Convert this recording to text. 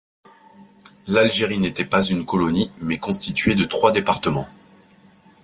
L'Algérie n'était pas une colonie, mais constituée de trois départements.